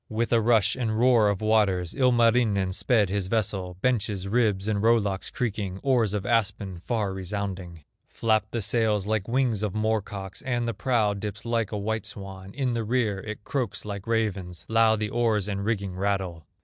With a rush and roar of waters Ilmarinen sped his vessel, Benches, ribs, and row locks creaking, Oars of aspen far resounding; Flap the sails like wings of moor cocks, And the prow dips like a white swan; In the rear it croaks like ravens, Loud the oars and rigging rattle.